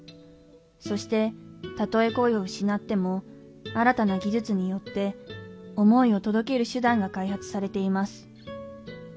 そしてたとえ声を失っても新たな技術によって想いをとどける手段が開発されています